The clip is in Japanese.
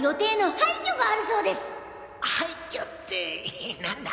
廃墟って何だ？